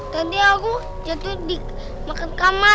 tadi aku jatuh di makan kamar